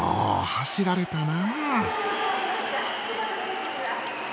走られたな。